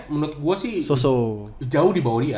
menurut gue sih sosok jauh di bawah dia